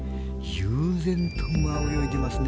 悠然と泳いでますね。